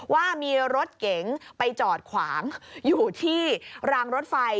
ว่ามีรถเก๋งไปจอดขวางอยู่ที่รางรถไฟ